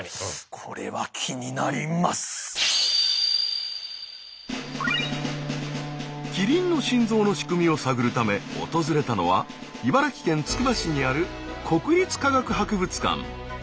これはキリンの心臓の仕組みを探るため訪れたのは茨城県つくば市にある国立科学博物館。